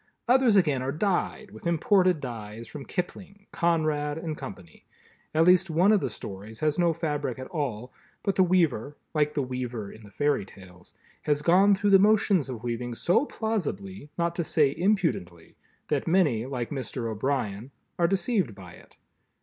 Others again are dyed with imported dyes from Kipling, Conrad and Company. At least one of the stories has no fabric at all, but the weaver—like the Weaver in the Fairy Tales—has gone through the motions of weaving so plausibly, not to say impudently, that many, like Mr. O'Brien, are deceived by it.